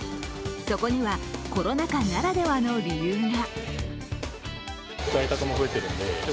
そこにはコロナ禍ならではの理由が。